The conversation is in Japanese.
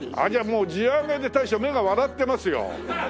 もう地上げで大将目が笑ってますよ。